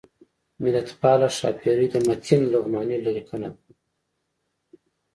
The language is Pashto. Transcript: ملتپاله ښاپیرۍ د متین لغمانی لیکنه ده